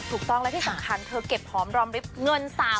ถูกต้องแล้วที่สำคัญเธอเก็บพร้อมรอบริบเงิน๓ล้าน